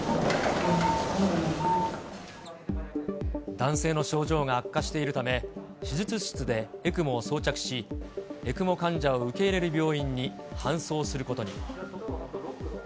男性の症状が悪化しているため、手術室でＥＣＭＯを装着し、ＥＣＭＯ患者を受け入れる病院に搬送することに。